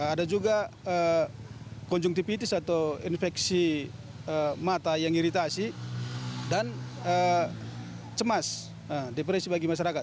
ada juga konjuntipis atau infeksi mata yang iritasi dan cemas depresi bagi masyarakat